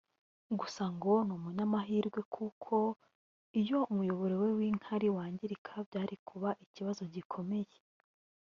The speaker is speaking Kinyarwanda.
Gusa ngo ni umunyamahirwe kuko iyo umuyoboro we w’inkari wangirika byari kuba ikibazo gikomeye